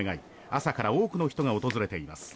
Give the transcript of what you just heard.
朝から多くの人が訪れています。